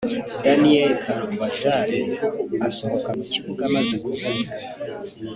Daniel Carvajal asohoka mu kibuga amaze kuvunika